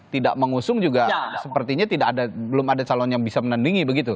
tidak mengusung juga sepertinya belum ada calon yang bisa menandingi begitu